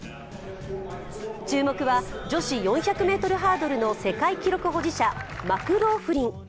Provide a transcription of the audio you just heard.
注目は女子４００ｍハードルの世界記録保持者、マクローフリン。